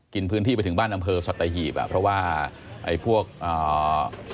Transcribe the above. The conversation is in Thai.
กินพื้นที่ไปถึงบ้านอำเภอสัตหีบอ่ะเพราะว่าไอ้พวกอ่า